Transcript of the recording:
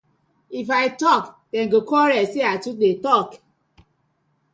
If I tok dem go quarll say I too dey tok.